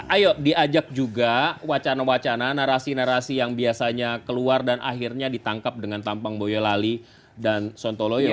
ayo diajak juga wacana wacana narasi narasi yang biasanya keluar dan akhirnya ditangkap dengan tampang boyolali dan sontoloyo